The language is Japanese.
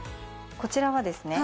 こちらはですね